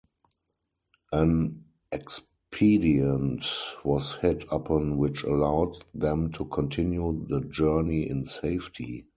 An expedient was hit upon which allowed them to continue the journey in safety.